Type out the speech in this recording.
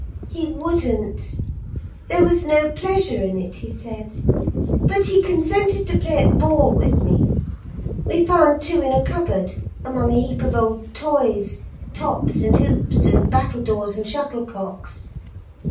He wouldn't: there was no pleasure in it, he said; but he consented to play at ball with me. We found two in a cupboard, among a heap of old toys, tops, and hoops, and battledores and shuttlecocks.